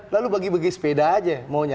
lalu bagi bagi sepeda aja maunya